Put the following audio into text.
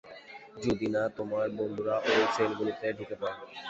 যদি না তোমার বন্ধুরা ওই সেলগুলোতে ঢুকে পড়ে।